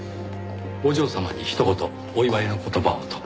お嬢様に一言お祝いの言葉をと。